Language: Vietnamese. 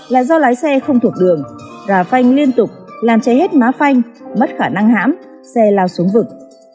là do lái xe không thuộc đường gà phanh liên tục làm cháy hết má phanh mất khả năng hãm xe lao xuống vực